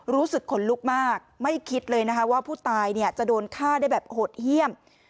รู้สึกขนลุกมากไม่คิดเลยนะคะว่าผู้ตายจะโดนฆ่าได้แบบหดเยี่ยม